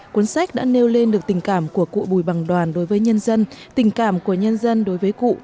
cuốn sách đã nêu lên được tình cảm của cụ bùi bằng đoàn đối với nhân dân tình cảm của nhân dân đối với cụ